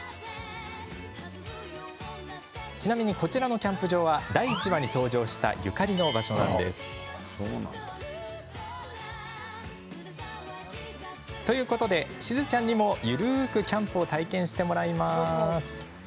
ちなみに、こちらのキャンプ場は第１話に登場したゆかりの場所なんです。ということで、しずちゃんにもゆるーくキャンプを体験してもらいます。